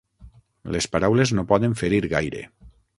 Les paraules no poden ferir gaire.